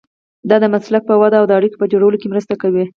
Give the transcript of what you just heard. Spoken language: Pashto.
دا د مسلک په وده او د اړیکو په جوړولو کې مرسته کوي.